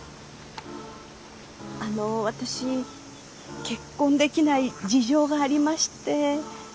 あの私結婚できない事情がありまして。